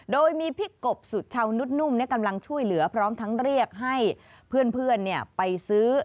โดยมีพี่กบสุชาวนุษนุ่มกำลังช่วยเหลือพร้อมทั้งเรียกให้เพื่อนไปซื้อ